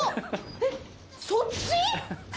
えっそっち！？